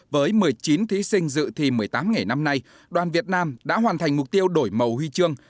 với một mươi chín thí sinh dự thi một mươi tám nghề năm nay đoàn việt nam đã hoàn thành mục tiêu đổi màu huy chương